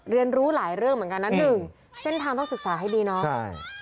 เรียนรู้หลายเรื่องเหมือนกันนะหนึ่งเส้นทางต้องศึกษาให้ดีเนาะใช่